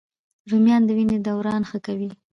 رومیان د وینې دوران ښه کوي